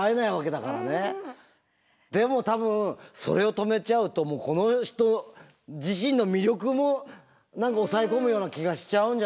でも多分それを止めちゃうとこの人自身の魅力も何か抑え込むような気がしちゃうんじゃないかしら。